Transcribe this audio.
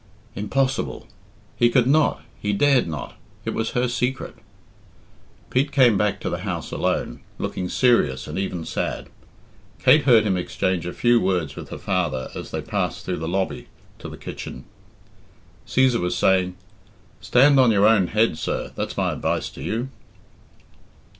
Impossible! He could not; he dared not; it was her secret. Pete came back to the house alone, looking serious and even sad. Kate heard him exchange a few words with her father as they passed through the lobby to the kitchen. Cæsar was saying "Stand on your own head, sir, that's my advice to you."